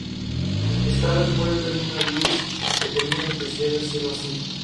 Tras la deriva de los acontecimientos, reinó el caos y el desconcierto.